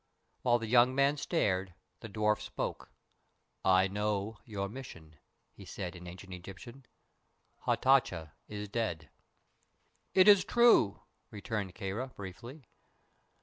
While the young man stared the dwarf spoke. "I know your mission," said he, in ancient Egyptian. "Hatatcha is dead." "It is true," returned Kāra, briefly.